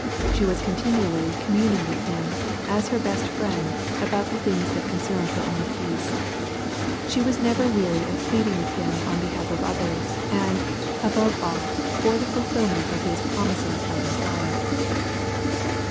She was continually communing with him, as her best Friend, about the things that concerned her own peace. She was never weary of pleading with Him on behalf of others, and, above all, for the fulfilment of His promises of Messiah.